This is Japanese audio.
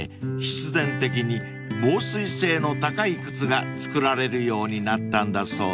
必然的に防水性の高い靴が作られるようになったんだそうです］